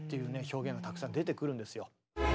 表現がたくさん出てくるんですよ。